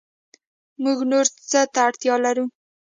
موږ نور څه ته اړتیا لرو